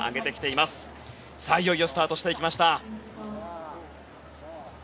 いよいよスタートしてきました。